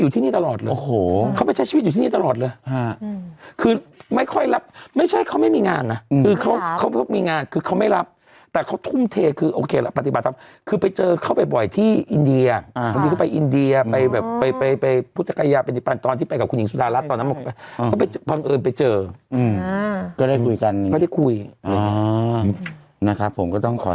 ที่นี่ตลอดเลยโอ้โหเขาไปใช้ชีวิตอยู่ที่นี่ตลอดเลยคือไม่ค่อยรับไม่ใช่เขาไม่มีงานนะคือเขาเขามีงานคือเขาไม่รับแต่เขาทุ่มเทคือโอเคละปฏิบัติธรรมคือไปเจอเขาบ่อยที่อินเดียบางทีเขาไปอินเดียไปแบบไปไปพุทธจักรยาปฏิปันตอนที่ไปกับคุณหญิงสุดารัฐตอนนั้นเขาไปบังเอิญไปเจออืมก็ได้คุยกันก็ได้คุยนะครับผมก็ต้องขอ